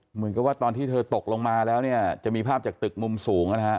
เหมือนกับว่าตอนที่เธอตกลงมาแล้วเนี่ยจะมีภาพจากตึกมุมสูงนะฮะ